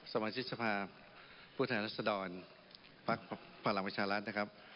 สมาชิตทภาพผู้ทางรัฐสดรภาคพลังประชานรัฐนะครับ